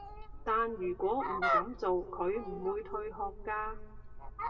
但如果唔噉做，佢唔會退學㗎